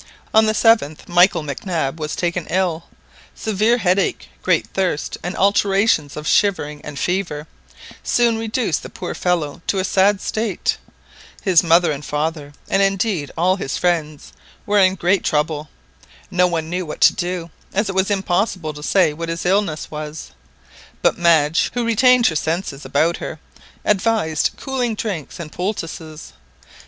On the 7th, Michael Mac Nab was taken ill—severe headache, great thirst and alternations of shivering and fever, soon reduced the poor little fellow to a sad state. His mother and father, and indeed all his friends, were in very great trouble. No one knew what to do, as it was impossible to say what his illness was, but Madge, who retained her senses about her, advised cooling drinks and poultices.